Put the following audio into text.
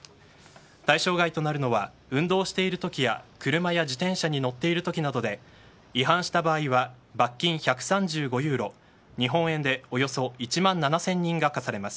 対象外となるのは運動している時や車や自転車に乗っている時などで違反した場合は罰金１３５ユーロ日本円でおよそ１万７０００円が科されます。